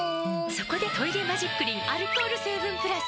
そこで「トイレマジックリン」アルコール成分プラス！